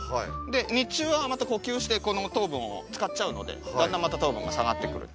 で日中はまた呼吸してこの糖分を使っちゃうのでだんだんまた糖度が下がってくる。